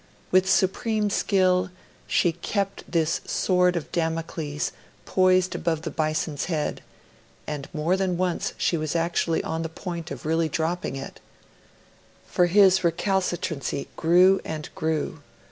With supreme skill, she kept this sword of Damocles poised above the Bison's head, and more than once she was actually on the point of really dropping it for his recalcitrancy grew and grew.